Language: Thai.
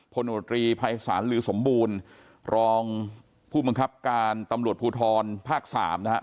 โนตรีภัยศาลลือสมบูรณ์รองผู้บังคับการตำรวจภูทรภาคสามนะฮะ